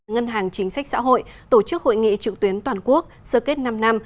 ngân hàng chính sách xã hội tổ chức hội nghị trực tuyến toàn quốc sơ kết năm năm